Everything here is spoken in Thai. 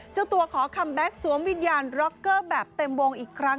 เจ้าตัวขอคัมแบ็คสวมวิญญาณร็อกเกอร์แบบเต็มวงอีกครั้ง